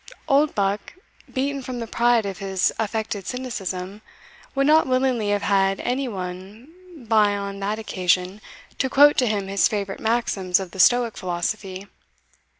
Oldbuck, beaten from the pride of his affected cynicism, would not willingly have had any one by on that occasion to quote to him his favourite maxims of the Stoic philosophy.